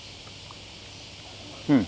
うん！